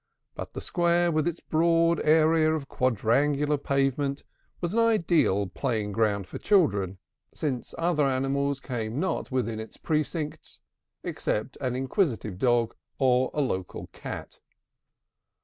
But the Square, with its broad area of quadrangular pavement, was an ideal playing ground for children, since other animals came not within its precincts, except an inquisitive dog or a local cat.